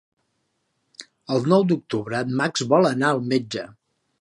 El nou d'octubre en Max vol anar al metge.